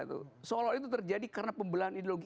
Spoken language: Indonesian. seolah olah itu terjadi karena pembelahan ideologi